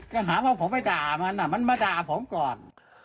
ก็หาว่าผมไปด่ามันมันมาด่าผมก่อน